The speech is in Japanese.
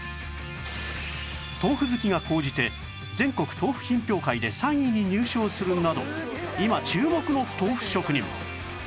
豆腐好きが高じて全国豆腐品評会で３位に入賞するなど今注目の豆腐職人